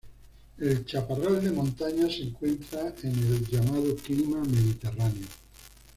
El Chaparral de montaña se encuentra en el llamado clima mediterráneo.